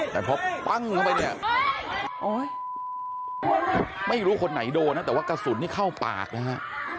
แต่พอปั้งเข้าไปเนี่ยไม่รู้คนไหนโดนนะแต่ว่ากระสุนนี่เข้าปากนะฮะ